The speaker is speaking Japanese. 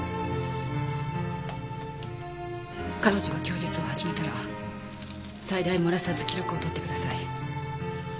彼女が供述を始めたら細大漏らさず記録を取ってください。